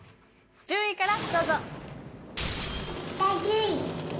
１０位からどうぞ。